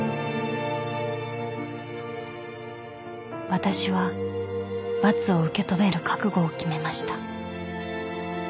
［私は罰を受け止める覚悟を決めました］